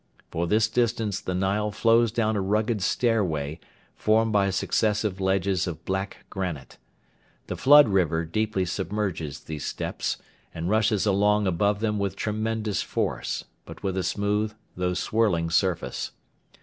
For this distance the Nile flows down a rugged stairway formed by successive ledges of black granite. The flood river deeply submerges these steps, and rushes along above them with tremendous force, but with a smooth though swirling surface.